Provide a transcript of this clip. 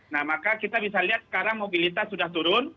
nah maka kita bisa lihat sekarang mobilitas sudah turun